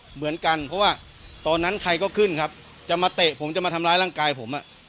เหมือนกันเพราะว่าตอนนั้นใครก็ขึ้นครับจะมาเตะผมจะมาทำร้ายร่างกายผมอ่ะ